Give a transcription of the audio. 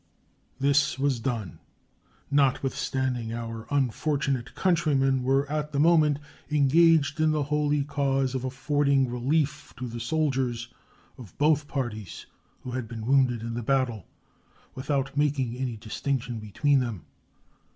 This was done, notwithstanding our unfortunate countrymen were at the moment engaged in the holy cause of affording relief to the soldiers of both parties who had been wounded in the battle, without making any distinction between them.